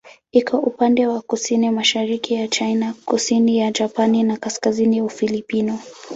Iko upande wa kusini-mashariki ya China, kusini ya Japani na kaskazini ya Ufilipino.